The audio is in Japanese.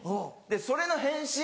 それの変身